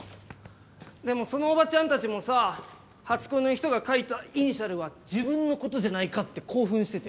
でもそのおばちゃん達もさ初恋の人が書いたイニシャルは自分のことじゃないかって興奮してて。